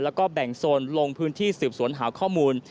แล้วก็แบ่งโซนลงพื้นที่สืบสวนหาข้อมูล